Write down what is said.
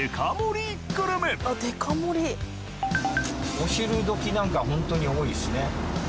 お昼時なんかホントに多いしね。